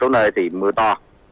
một số nơi thì mưa to